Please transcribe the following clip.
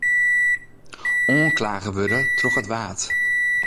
Oanklage wurde troch it Waad.